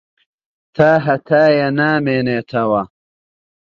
تاھەتایە نامێنێتەوە.